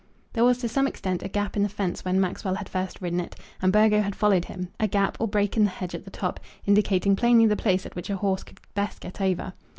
There was to some extent a gap in the fence when Maxwell had first ridden it and Burgo had followed him; a gap, or break in the hedge at the top, indicating plainly the place at which a horse could best get over.